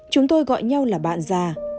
chúng tôi gọi nhau là bạn già